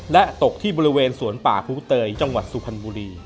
และตกที่บริเวณสวนป่าภูเตยจังหวัดสุพรรณบุรี